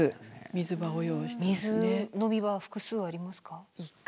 水飲み場は複数ありますか？